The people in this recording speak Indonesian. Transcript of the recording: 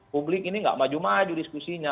publik ini gak maju maju diskusinya